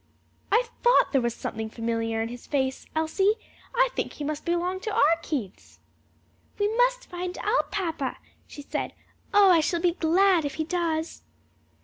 "I thought there was something familiar in his face. Elsie, I think he must belong to our Keiths." "We must find out, papa," she said. "Oh, I shall be glad if he does!"